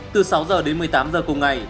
từ sáu h đến một mươi tám giờ cùng ngày